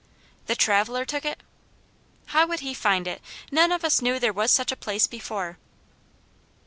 "The traveller took it." "How would he find it? None of us knew there was such a place before."